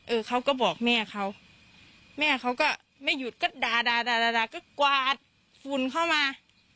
เออเขาก็บอกแม่เขาแม่เขาก็ไม่หยุดก็ด่าด่าก็กวาดฝุ่นเข้ามา